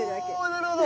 おなるほど。